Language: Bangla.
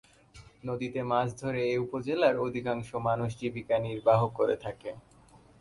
নদীতে মাছ ধরে এ উপজেলার অধিকাংশ মানুষ জীবিকা নির্বাহ করে থাকে।